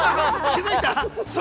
気づいた？